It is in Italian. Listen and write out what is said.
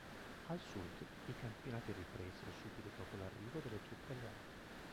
Al sud i campionati ripresero subito dopo l'arrivo delle truppe alleate.